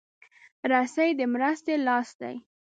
رسۍ د مرستې لاس دی.